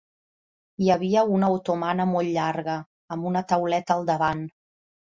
Hi havia una otomana molt llarga, amb una tauleta al davant